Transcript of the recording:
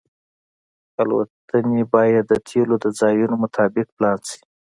الوتنې باید د تیلو د ځایونو مطابق پلان شي